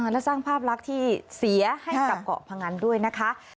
และสร้างภาพลักษณ์ที่เสียให้กับเกาะพงันด้วยนะคะ